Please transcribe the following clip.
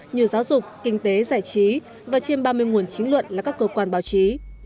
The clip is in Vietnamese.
như giáo dục kinh tế giải trí và trên ba mươi nguồn chính luận là các cơ quan báo chí